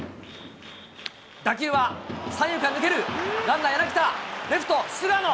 打球は三遊間抜ける、ランナー柳田、レフト、菅野。